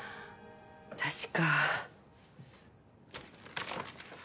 確か。